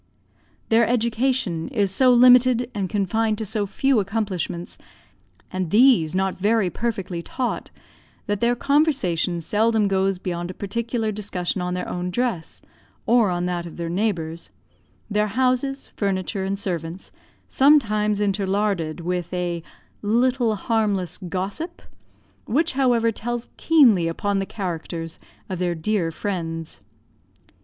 Their education is so limited and confined to so few accomplishments, and these not very perfectly taught, that their conversation seldom goes beyond a particular discussion on their own dress, or that of their neighbours, their houses, furniture, and servants, sometimes interlarded with a little harmless gossip, which, however, tells keenly upon the characters of their dear friends.